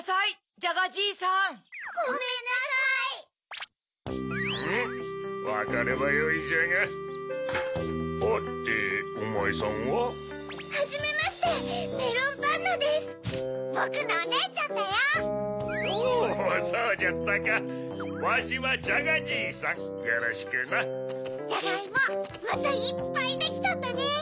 ジャガイモまたいっぱいできたんだね！